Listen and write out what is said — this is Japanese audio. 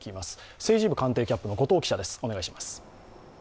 政治部官邸キャップの後藤記者です。